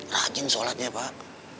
rajin solatnya pak